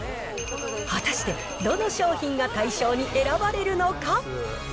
果たしてどの商品が大賞に選ばれるのか。